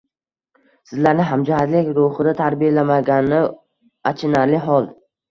Sizlarni hamjihatlik ruxida tarbiyalamagani achinarli hol